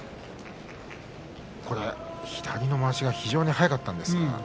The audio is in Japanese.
左のまわしが非常に速かったんですが。